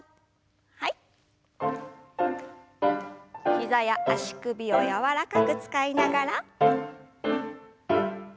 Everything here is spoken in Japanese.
膝や足首を柔らかく使いながら。